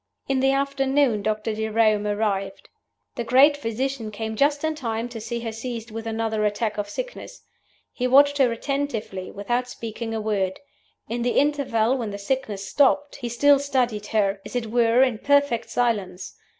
"In the afternoon Doctor Jerome arrived. "The great physician came just in time to see her seized with another attack of sickness. He watched her attentively, without speaking a word. In the interval when the sickness stopped, he still studied her, as it were, in perfect silence.